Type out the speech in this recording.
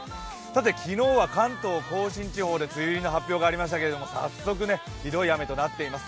昨日は関東甲信地方で梅雨入りの発表がありましたけれども早速、ひどい雨となっています。